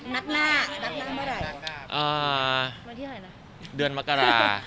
นักหน้านักหน้าเมื่อไหร่